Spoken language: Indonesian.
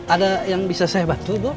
ada yang bisa saya bantu bu